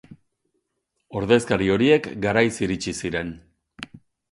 Ordezkari horiek garaiz iritsi ziren.